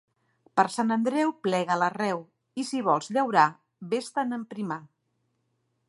Per Sant Andreu plega l'arreu; i, si vols llaurar, ves-te'n a emprimar.